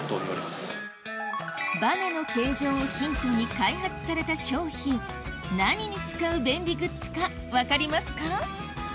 バネの形状をヒントに開発された商品何に使う便利グッズか分かりますか？